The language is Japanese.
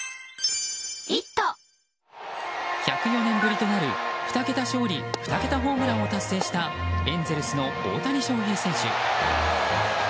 １０４年ぶりとなる２桁勝利２桁ホームランを達成したエンゼルスの大谷翔平選手。